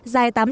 dài tám năm